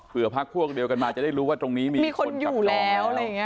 เผื่อพักพวกเดียวกันมาจะได้รู้ว่าตรงนี้มีคนอยู่แล้ว